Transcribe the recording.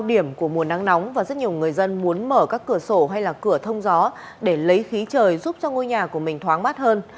điểm của mùa nắng nóng và rất nhiều người dân muốn mở các cửa sổ hay là cửa thông gió để lấy khí trời giúp cho ngôi nhà của mình thoáng mát hơn